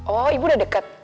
oh ibu udah deket